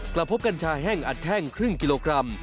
กลับพบกัญชาแห้งอัดแห้งครึ่งกิโลกรัม